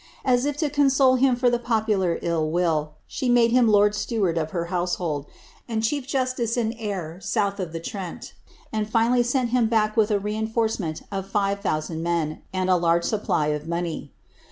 As if to console him for the popular ill will, she made him lord steward of her household, and chief justice in eyre south of the Trent, and finally sent him back with a reinforcement of 5000 men, and a laige supply of money.'